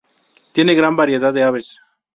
Tiene gran variedad de aves.